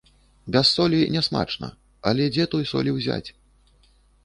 Без солі нясмачна, але дзе той солі ўзяць?